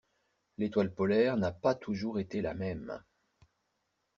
L'étoile polaire n'a pas toujours été la même.